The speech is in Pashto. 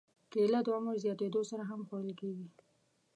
کېله د عمر زیاتېدو سره هم خوړل کېږي.